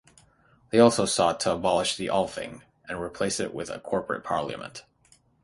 They also sought to abolish the Althing and replace it with a corporate parliament.